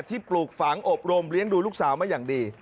ปลูกฝังอบรมเลี้ยงดูลูกสาวมาอย่างดี